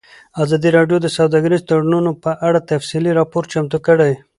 ازادي راډیو د سوداګریز تړونونه په اړه تفصیلي راپور چمتو کړی.